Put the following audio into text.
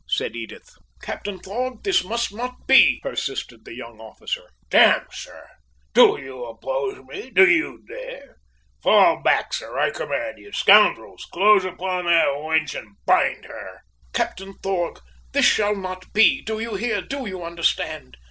said Edith. "Captain Thorg! This must not be!" persisted the young officer. "D n, sir! Do you oppose me? Do you dare? Fall back, sir, I command you! Scoundrels! close upon that wench and bind her!" "Captain Thorg! This shall not be! Do you hear? Do you understand?